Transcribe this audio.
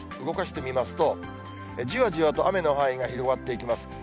動かしてみますと、じわじわと雨の範囲が広がっていきます。